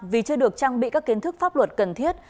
vì chưa được trang bị các kiến thức pháp luật cần thiết